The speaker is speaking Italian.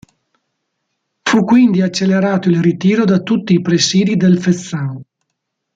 Fu quindi accelerato il ritiro da tutti i presidi del Fezzan.